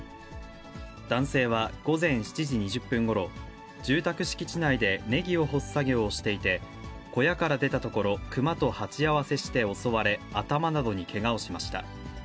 男性は午前７時２０分ごろ、住宅敷地内でネギを干す作業をしていて、小屋から出たところ、クマと鉢合わせして襲われ、頭などにけがをしました。